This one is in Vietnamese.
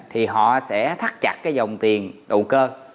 thì họ sẽ thắt chặt cái dòng tiền đầu cơ